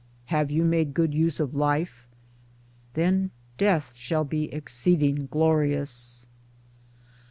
Have you made good use of Life, then Death shall be exceeding glorious.